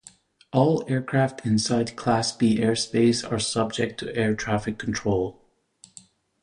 All aircraft inside Class B airspace are subject to air traffic control.